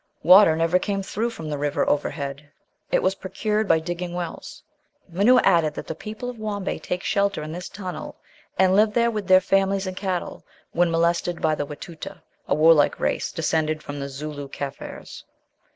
Water never came through from the river overhead; it was procured by digging wells. Manna added that the people of Wambweh take shelter in this tunnel, and live there with their families and cattle, when molested by the Watuta, a warlike race, descended from the Zooloo Kafirs."